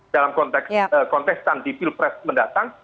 dalam konteks anti pil pres mendatang